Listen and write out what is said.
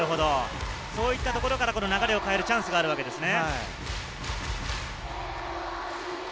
そういったところから流れを変えるチャンスがあるということですね。